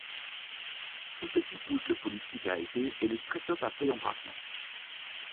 Sous ceux-ci poussent le Polystic à épées et le Streptope à feuilles embrassantes.